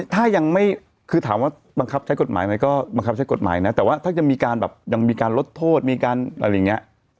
ถ้ายังไม่คือถามว่าบังคับใช้กฎหมายไหมก็บังคับใช้กฎหมายนะแต่ว่าถ้าจะมีการแบบยังมีการลดโทษมีการอะไรอย่างนี้